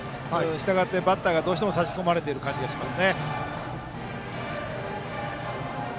したがって、バッターが差し込まれている感じがします。